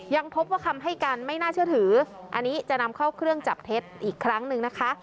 ยังพบว่าคำให้การไม่น่าเชื่อถืออันนี้จะนำเข้าเครื่องจับเท็จอีกครั้งหนึ่งนะคะ